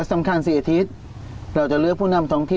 ก็สำคัญสิเอธิศเราจะเลือกผู้นำท้องที่